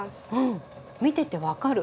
見てて分かる。